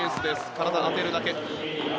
体を当てるだけ。